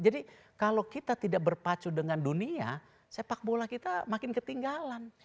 jadi kalau kita tidak berpacu dengan dunia sepak bola kita makin ketinggalan